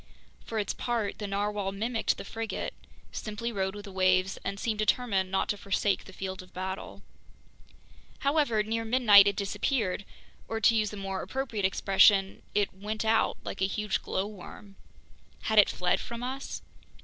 For its part, the narwhale mimicked the frigate, simply rode with the waves, and seemed determined not to forsake the field of battle. However, near midnight it disappeared, or to use a more appropriate expression, "it went out," like a huge glowworm. Had it fled from us?